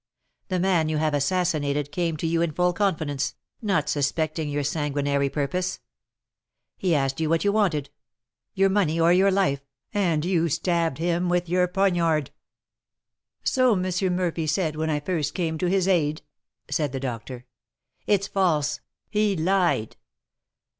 The man you have assassinated came to you in full confidence, not suspecting your sanguinary purpose. He asked you what you wanted: 'Your money or your life!' and you stabbed him with your poniard." "So M. Murphy said when I first came to his aid," said the doctor. "It's false! He lied!"